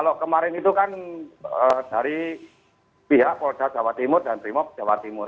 kalau kemarin itu kan dari pihak polda jawa timur dan brimob jawa timur